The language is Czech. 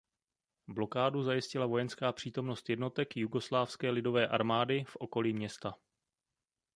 Blokádu zajistila vojenská přítomnost jednotek Jugoslávské lidové armády v okolí města.